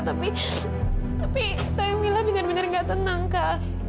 tapi tapi tante mila benar benar enggak tenang kak